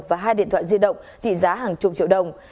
và hai điện thoại di động trị giá hàng chục triệu đồng